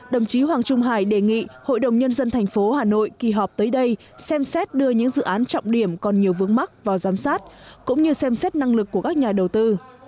đồng chí hoàng trung hải đề nghị hội đồng nhân dân thành phố hà nội kỳ họp tới đây xem xét đưa những dự án trọng điểm còn nhiều vướng mắc vào giám sát cũng như xem xét năng lực của các nhà đầu tư